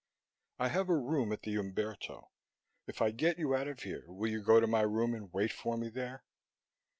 "I have a room at the Umberto. If I get you out of here, will you go to my room and wait for me there?"